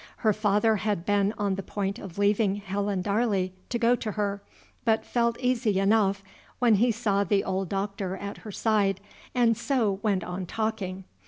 Her father had been on the point of leaving Helen Darley to go to her, but felt easy enough when he saw the old Doctor at her side, and so went on talking.